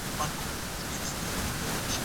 هغه خپله حافظه له لاسه ورکړه.